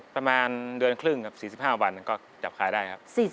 ประมาณเดือนครึ่งครับ๔๕วันก็จับขายได้ครับ